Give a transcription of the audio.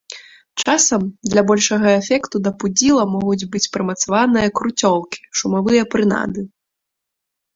Часам для большага эфекту да пудзіла могуць быць прымацаваныя круцёлкі, шумавыя прынады.